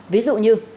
ví dụ như